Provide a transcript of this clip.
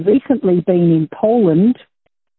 sebenarnya baru baru ini di polandia